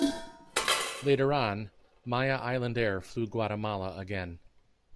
Later on, Maya Island Air flew Guatemala again.